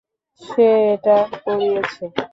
সে এটা করিয়েছে।